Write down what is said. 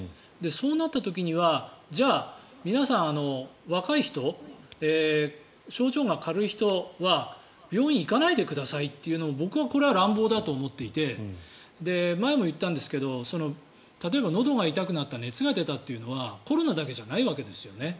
そうなった時にはじゃあ、皆さん若い人症状が軽い人は病院に行かないでくださいというのは僕はこれは乱暴だと思っていて前も言ったんですけど例えば、のどが痛くなった熱が出たというのはコロナだけじゃないわけですよね。